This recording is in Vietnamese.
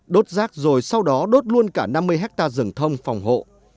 đốt rác rồi sau đó đốt luôn cả năm mươi hectare rừng thông phòng hộ